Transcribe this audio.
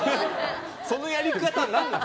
そのやり方、何なの？